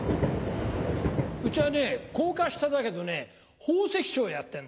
うちはね高架下だけどね宝石商やってんだよ。